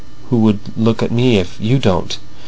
... Who would look at me if you don't!"